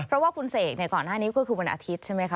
เพราะว่าคุณเศกก่อนหน้านี้มันอาทิตย์ใช่ไหมครับ